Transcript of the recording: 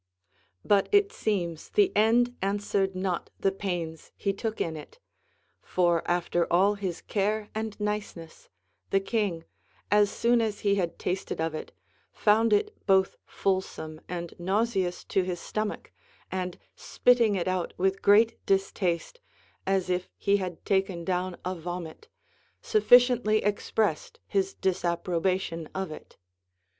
But it seems the end answered not the pains he took in it ; for 84 THE ACCOUNT OF THE LAWS AND after all his care and niceness, the king, as soon as he had tasted of it, found it both fulsome and nauseous to his stomach, and spitting it out with great distaste, as if he had taken down a vomit, sufficiently expressed his disap probation of it.